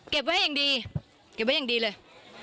ไว้อย่างดีเก็บไว้อย่างดีเลย